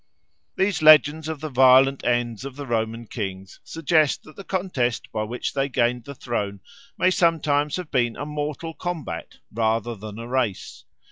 These legends of the violent ends of the Roman kings suggest that the contest by which they gained the throne may sometimes have been a mortal combat rather than a race.